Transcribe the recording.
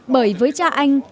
bởi với cha anh